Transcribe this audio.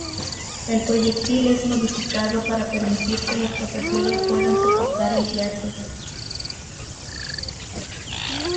El proyectil es modificado para permitir que los pasajeros puedan soportar el viaje.